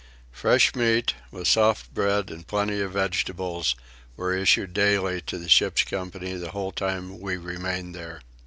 Fresh meat, with soft bread and plenty of vegetables, were issued daily to the ship's company the whole time we remained here.